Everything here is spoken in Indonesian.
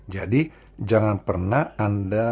jadi jangan pernah anda